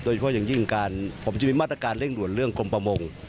โดยเฉพาะอย่างยิ่งการผมจะมีมาตรการเร่งด่วนเรื่องกรมประมง